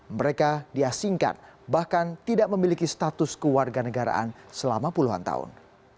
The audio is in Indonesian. mereka diasingkan bahkan tidak memiliki status ke warga negaraan selama puluhan tahun